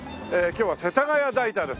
今日は世田谷代田です。